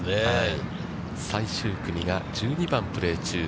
最終組は１２番をプレー中。